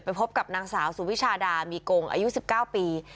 พบกับนางสาวสุวิชาดามีกงอายุ๑๙ปี